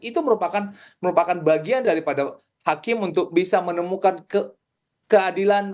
itu merupakan bagian daripada hakim untuk bisa menemukan keadilan